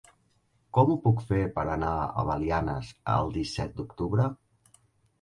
Com ho puc fer per anar a Belianes el disset d'octubre?